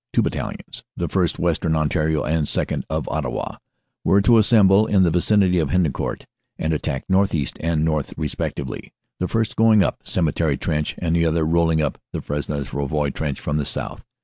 Two battalions, the 1st., Western Ontario, and 2nd., of Ottawa, were to assemble in the vicinity of Hendecourt and attack northeast and north respec tively, the first going up Cemetery Trench and the other roll ing up the Fresnes Rouvroy Trench from the south.